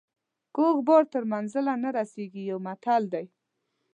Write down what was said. کوږ بار تر منزله نه رسیږي یو متل دی.